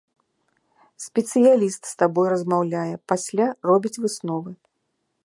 Спецыяліст з табой размаўляе, пасля робіць высновы.